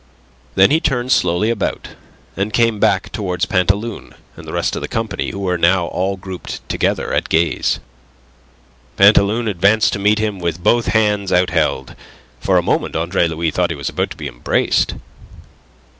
Then he turned slowly about, and came back towards Pantaloon and the rest of the company, who were now all grouped together, at gaze. Pantaloon advanced to meet him with both hands out held. For a moment Andre Louis thought he was about to be embraced.